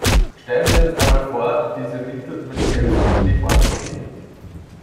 Stellen wir uns einmal vor, diese Mittel würden gänzlich in die Forschung gehen.